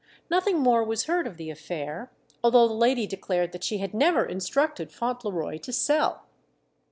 Nothing more was heard of the affair, although the lady declared that she had never instructed Fauntleroy to sell.